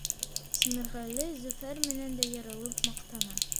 Тимерғәле Зөфәр менән дә ярылып маҡтана: